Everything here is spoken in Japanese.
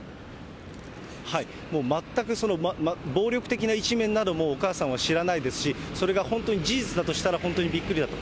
全く、暴力的な一面などもお母さんは知らないですし、それが本当に事実だとしたら、本当にびっくりだと。